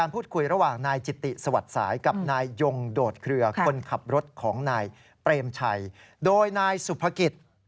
เปลมชัยโดยนายสุภกิจ